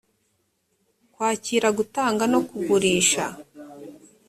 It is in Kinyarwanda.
kwakira gutanga no kugurisha